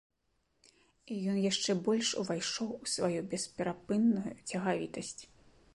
І ён яшчэ больш увайшоў у сваю бесперапынную цягавітасць.